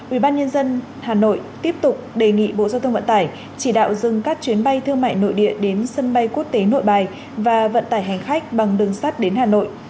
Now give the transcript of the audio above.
ubnd hà nội tiếp tục đề nghị bộ giao thông vận tải chỉ đạo dừng các chuyến bay thương mại nội địa đến sân bay quốc tế nội bài và vận tải hành khách bằng đường sắt đến hà nội